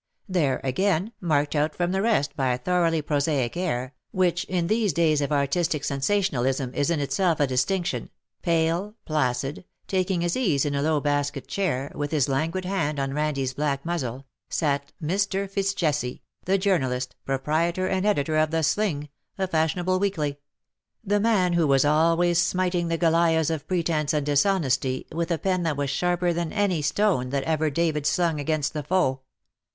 There, again, marked out from the rest by a thoroughly prosaic air, which, in these days of artistic sensationalism is in itself a distinction — pale, placid, taking his ease in a low basket chair, with his languid hand on Kandie^s black muzzle — sat Mr. FitzJesse, the journalist, proprietor and editor of The Sling, a fashionable weekly— the man who was always smiting the Goliahs of pretence and dishonesty with a pen that was sharper than any stone that ever David slung against the foe.